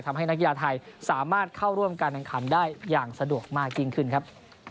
ทำให้นักกีฬาไทยสามารถเข้าร่วมกันกันขันได้อย่างสะดวกมากจริงขึ้นครับ